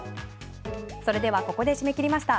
それではここで締め切りました。